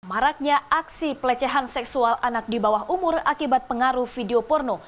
maraknya aksi pelecehan seksual anak di bawah umur akibat pengaruh video porno